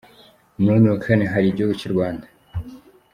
Umwanya wa kane hari igihugu cy’ u Rwanda.